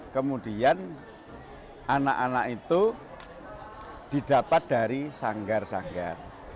kemudian anak anak itu didapat dari sanggar sanggar